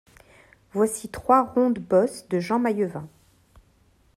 Voici trois rondes-bosses de Jean Maillevin.